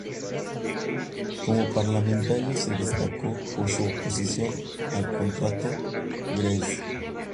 Como parlamentario se destacó por su oposición al contrato Grace.